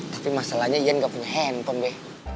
tapi masalahnya ian gak punya handphone be